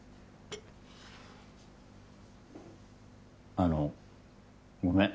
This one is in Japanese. あのごめん。